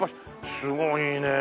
すごいねえ。